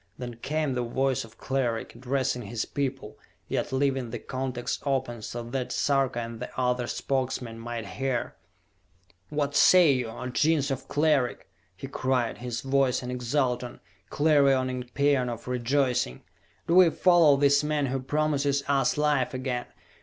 Then came the voice of Cleric, addressing his people, yet leaving the contacts open so that Sarka and the other Spokesmen might hear. "What say you, O Gens of Cleric?" he cried, his voice an exultant, clarioning paean of rejoicing. "Do we follow this man who promises us life again?